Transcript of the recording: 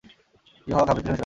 ইউহাওয়া ঘাবড়ে পিছনে সরে আসে।